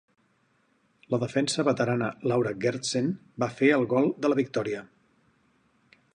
La defensa veterana Laura Gersten va fer el gol de la victòria.